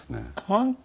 本当？